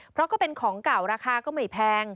เพราะก็เป็นของเก่าราคาก็ไม่แพง